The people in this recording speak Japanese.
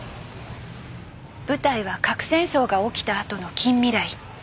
舞台は核戦争が起きたあとの近未来。